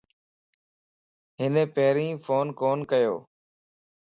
ھن پيرين فون ڪون ڪيو.